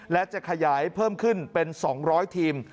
และจะขยายเพิ่มขึ้นเป็น๒๐๐ทีม